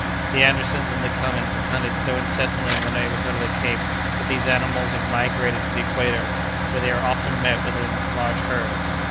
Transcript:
The Andersons and the Cummings have hunted so incessantly in the neighborhood of the Cape, that these animals have migrated to the equator, where they are often met with in large herds."